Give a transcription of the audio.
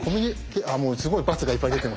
もうすごいバツがいっぱい出てますね。